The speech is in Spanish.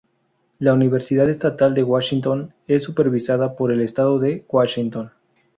La Universidad Estatal de Washington es supervisada por el estado de Washington.